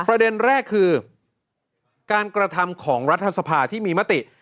ประเด็นแรกคือการกระทำของรัฐสภาที่มีมติ